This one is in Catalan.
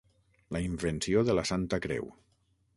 La invenció de la Santa Creu.